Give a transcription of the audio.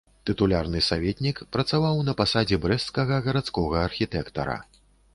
Тытулярны саветнік, працаваў на пасадзе брэсцкага гарадскога архітэктара.